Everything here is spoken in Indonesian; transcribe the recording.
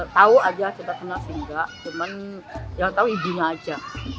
tahu saja kita kena singgah tapi yang tahu ibu saja